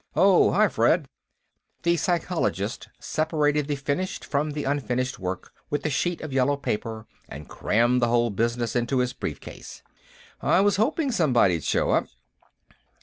"Oh, hi, Fred." The psychologist separated the finished from the unfinished work with a sheet of yellow paper and crammed the whole business into his brief case. "I was hoping somebody'd show up...."